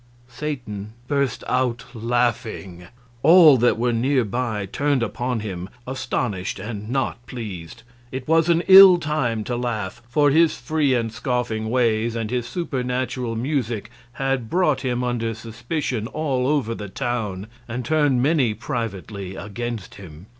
Satan burst out laughing. All that were near by turned upon him, astonished and not pleased. It was an ill time to laugh, for his free and scoffing ways and his supernatural music had brought him under suspicion all over the town and turned many privately against him.